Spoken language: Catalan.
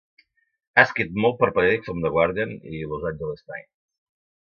Ha escrit molt per a periòdics com "The Guardian" i "Los Angeles Times".